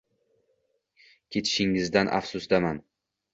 Ketishingizdan afsusdaman.